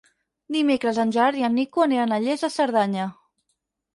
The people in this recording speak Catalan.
Dimecres en Gerard i en Nico aniran a Lles de Cerdanya.